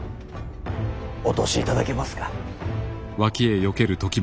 お通しいただけますか。